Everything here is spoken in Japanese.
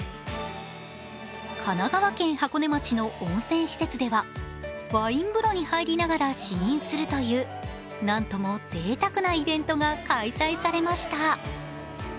神奈川県箱根町の温泉施設ではワイン風呂に入りながら試飲するという何ともぜいたくなイベントが開催されました。